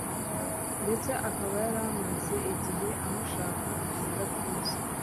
ndetse akaba yari amaze igihe amushaka ubudatuza